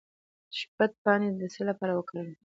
د شبت پاڼې د څه لپاره وکاروم؟